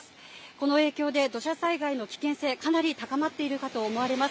この影響で土砂災害の危険性がかなり高まっているかと思われます。